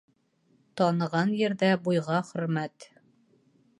Таныған ерҙә буйға хөрмәт